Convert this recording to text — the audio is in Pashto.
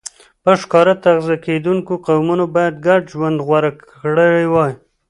پر ښکار تغذیه کېدونکو قومونو باید ګډ ژوند غوره کړی وای